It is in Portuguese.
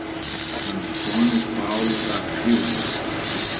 Antônio Paulo da Silva